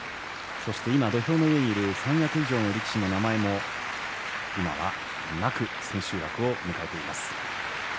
そして今、土俵の上にいる三役以上の力士の名前も今はなく千秋楽を迎えています。